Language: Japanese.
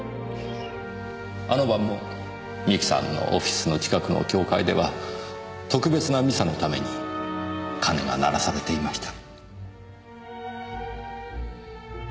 あの晩も三木さんのオフィスの近くの教会では特別なミサのために鐘が鳴らされていました。